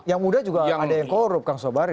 yang muda juga ada yang korup kang sobari